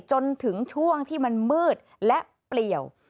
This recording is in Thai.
จนถึงช่วงที่มันมืดและเปลี่ยว